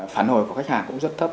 phản hồi của khách hàng cũng rất thấp